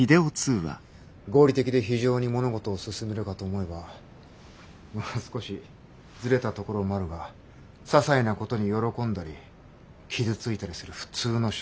合理的で非情に物事を進めるかと思えばまあ少しずれたところもあるがささいなことに喜んだり傷ついたりする普通の少年でもある。